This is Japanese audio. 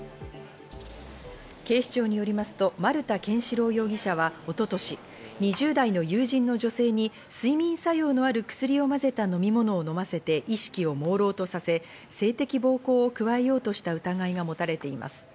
警視庁によりますと丸田憲司朗容疑者は一昨年、２０代の友人の女性に睡眠作用のある薬を混ぜた飲み物を飲ませて意識をもうろうとさせ、性的暴行を加えようとした疑いがもたれています。